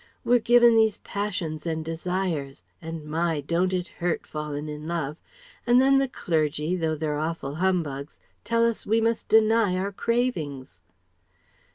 We're given these passions and desires and my! don't it hurt, falling in love! and then the clergy, though they're awful humbugs, tells us we must deny our cravings..."